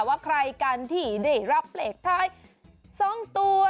ว่าใครกันที่ได้รับเลขท้าย๒ตัว